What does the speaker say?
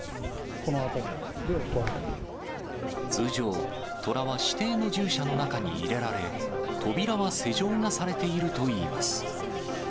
通常、トラは指定の獣舎の中に入れられ、扉は施錠がされているといいます。